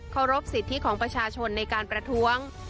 รบสิทธิของประชาชนในการประท้วง